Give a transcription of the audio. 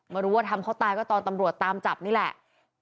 รู้ว่าทำเขาตายก็ตอนตำรวจตามจับนี่แหละ